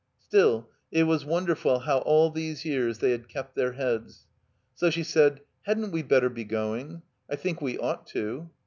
Still, it was wonderful how all these years they had kept their heads. So she said: "Hadn't we better be going? I think we ought to."